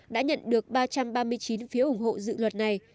đã nhận được ba trăm ba mươi chín phiếu ủng hộ dự luật này